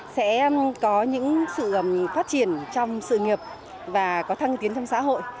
sẽ có những sự phát triển trong sự nghiệp và có thăng tiến trong xã hội